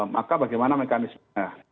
maka bagaimana mekanismenya